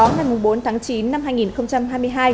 ngày bốn tháng chín năm hai nghìn hai mươi hai